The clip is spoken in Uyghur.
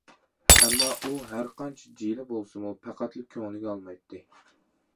ئەمما ئۇ ھەرقانچە جىلە بولسىمۇ پەقەتلا كۆڭلىگە ئالمايتتى.